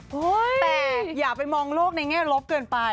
แต่อย่าไปมองโลกในแง่ลบเกินไป